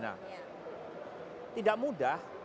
nah tidak mudah